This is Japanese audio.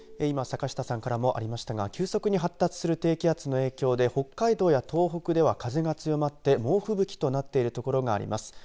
今、坂下さんからもありましたが急速に発達する低気圧の影響で北海道や東北では風が強まって猛吹雪となっている所があります。